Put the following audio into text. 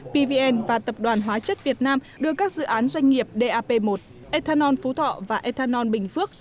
pvn và tập đoàn hóa chất việt nam đưa các dự án doanh nghiệp dap một ethanol phú thọ và ethanol bình phước